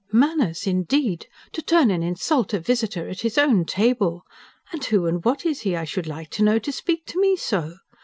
"Manners, indeed! To turn and insult a visitor at his own table! And who and what is he, I should like to know, to speak to me so?